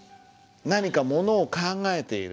何かものを考えている。